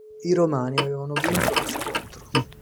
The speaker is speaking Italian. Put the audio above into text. I Romani avevano vinto lo scontro.